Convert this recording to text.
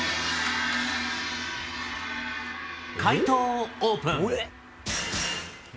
解答をオープン。